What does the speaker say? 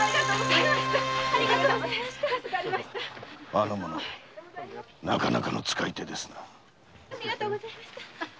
あの者なかなかの使い手ですな。